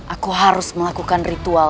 aku harus melakukan ritual